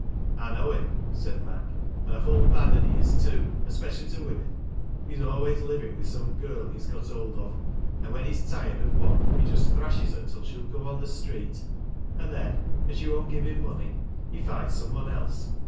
" I know him," said Mac, " and a full bad 'tin he is too, especially to women. He's always living with some girl he has got hold of, and when he's tired of one he just thrashes her till she'll go on the street, and then, if she won't give him money, he finds some one else.